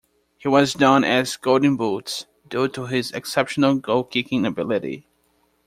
He was known as "Golden Boots" due to his exceptional goal-kicking ability.